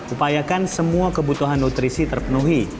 upayakan semua kebutuhan nutrisi terpenuhi